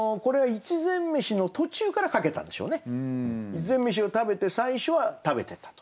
一膳めしを食べて最初は食べてたと。